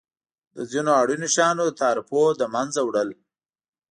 د ځینو اړینو شیانو د تعرفو له مینځه وړل.